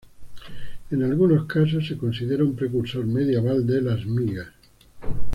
En algunos casos se considera un precursor medieval de las migas.